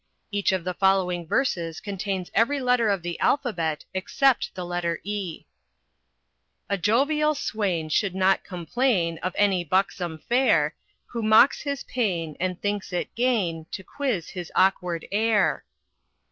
Each of the following verses contains every letter of the alphabet except the letter e: "A jovial swain should not complain Of any buxom fair Who mocks his pain and thinks it gain To quiz his awkward air.